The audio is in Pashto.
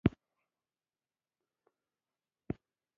سیلابونه د افغان کورنیو د دودونو مهم عنصر دی.